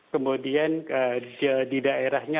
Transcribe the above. kemudian di daerahnya